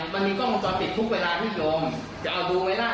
มันมีกล้องตอบติดทุกเวลาที่หยวงจะเอาดูไหมล่ะ